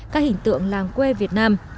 các hình tượng làng quê việt nam